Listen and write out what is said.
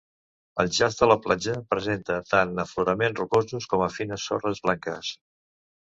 El jaç de la platja presenta tant afloraments rocosos com a fines sorres blanques.